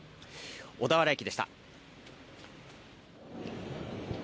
小田原駅でした。